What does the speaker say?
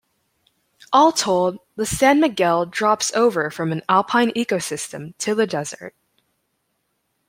All told, the San Miguel drops over from an alpine ecosystem to the desert.